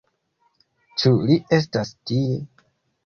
Ĉu li estas tie?